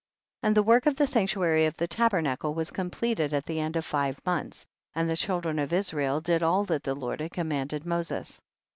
35. And the work of the sanctu ary of the tabernacle was completed at the end of five months, and the children of Israel did all that the Lord had commanded Moses.